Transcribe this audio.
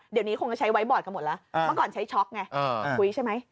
เดี๋ยวนี้คงจะใช้ไว้บอร์ดกันหมดแล้วเมื่อก่อนใช้ช็อกไงคุยใช่ไหม